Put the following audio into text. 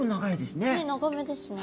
ねっ長めですね。